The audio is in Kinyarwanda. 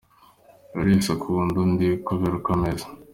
Buri wese akunda undi kubera uko ameze.